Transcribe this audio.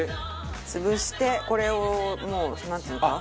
潰してこれをもうなんていうのかな？